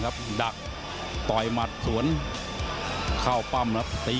แค่ทำได้ฉวยครับชุดดี